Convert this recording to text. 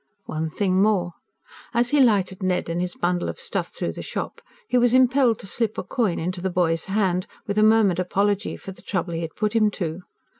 One thing more. As he lighted Ned and his bundle of stuff through the shop, he was impelled to slip a coin into the boy's hand, with a murmured apology for the trouble he had put him to.